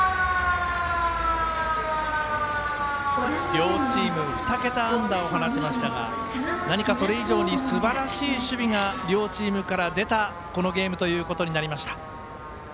両チーム２桁安打を放ちましたが何かそれ以上にすばらしい守備が両チームから出たこのゲームということになりました。